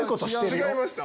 違いました？